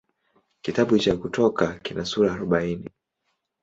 Kitabu cha Kutoka kina sura arobaini.